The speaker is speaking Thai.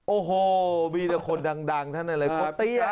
โอ้โหมีแต่คนดังท่านอะไรคน